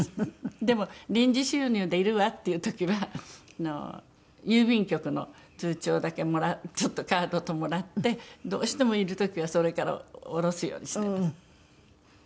でも臨時収入でいるわっていう時は郵便局の通帳だけちょっとカードともらってどうしてもいる時はそれから下ろすようにしてます。